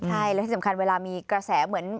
ใช่และที่สำคัญเวลามีกระแสเหมือน